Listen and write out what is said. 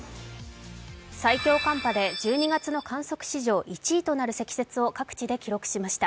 最強寒波で１２月の観測史上１位となる積雪を各地で記録しました。